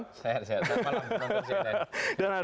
sehat sehat selamat malam